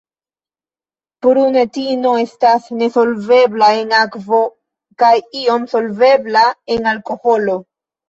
Prunetino estas nesolvebla en akvo kaj iom solvebla en alkoholo.